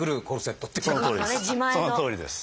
そのとおりです。